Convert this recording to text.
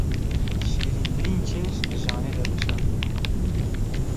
Şêrîntirîn çêj, di janê de veşartî ye.